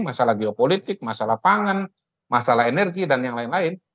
masalah geopolitik masalah pangan masalah energi dan yang lain lain